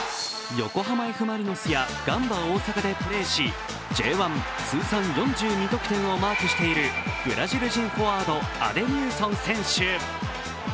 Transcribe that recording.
横浜Ｆ・マリノスやガンバ大阪でプレーし、Ｊ１通算４２得点をマークしているブラジル人フォワード、アデミウソン選手。